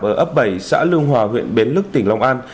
ở ấp bảy xã lương hòa huyện bến lức tỉnh long an